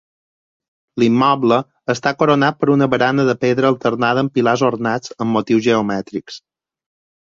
L'immoble està coronat per una barana de pedra alternada amb pilars ornats amb motius geomètrics.